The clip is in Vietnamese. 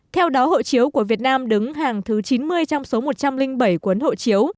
theo đó hội chiếu của việt nam đứng hàng thứ chín mươi trong số một trăm linh bảy quấn hội chiếu